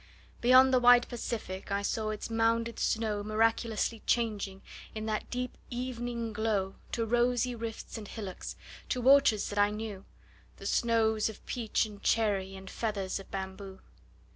Beyond the wide Pacific I saw its mounded snow Miraculously changing In that deep evening glow, To rosy rifts and hillocks, To orchards that I knew, The snows or peach and cherry, And feathers of bamboo.